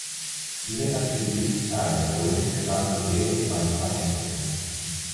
Even at the reduced size, the rink could not immediately find financing.